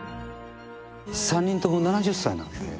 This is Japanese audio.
３人とも７０歳なので。